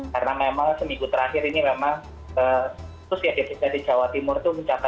karena memang seminggu terakhir ini memang kasus yang diberikan di jawa timur itu mencapai delapan puluh